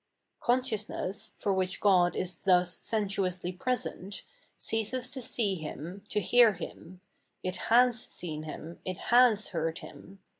Consciousness, for which God is thus sensuously present, ceases to see Hun, to hear Him : it has seen Him, it has heard Him.